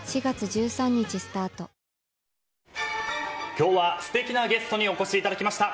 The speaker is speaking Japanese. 今日は素敵なゲストにお越しいただきました。